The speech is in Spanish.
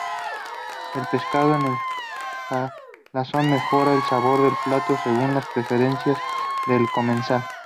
El pescado en salazón mejora el sabor del plato, según las preferencias del comensal.